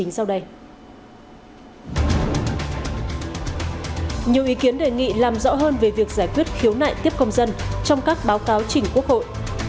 nhiều ý kiến đề nghị làm rõ hơn về việc giải quyết khiếu nại tiếp công dân trong các báo cáo chỉnh quốc hội